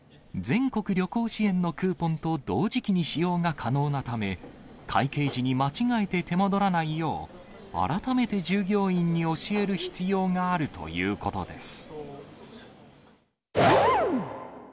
全国旅行支援のクーポンと同時期に使用が可能なため、会計時に間違えて手間取らないよう、改めて従業員に教える必要があるということです。